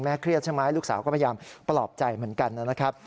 เครียดใช่ไหมลูกสาวก็พยายามปลอบใจเหมือนกันนะครับ